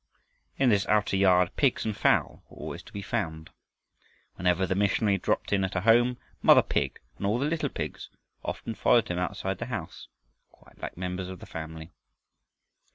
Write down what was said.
In this outer yard pigs and fowl were always to be found. Whenever the missionary dropped in at a home, mother pig and all the little pigs often followed him inside the house, quite like members of the family.